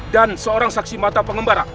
dan seorang saksi mata pengembara